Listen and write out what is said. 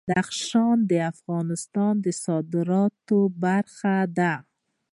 بدخشان د افغانستان د صادراتو برخه ده.